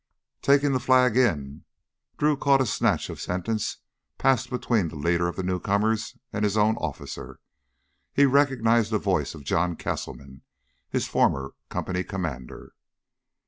"Taking the flag in ..." Drew caught a snatch of sentence passed between the leader of the newcomers and his own officer. He recognized the voice of John Castleman, his former company commander.